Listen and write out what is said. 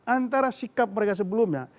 antara sikap mereka sebelumnya